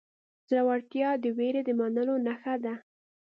زړورتیا د وېرې د منلو نښه ده.